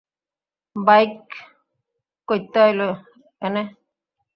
Bike কইত্তে আইলো, এনে!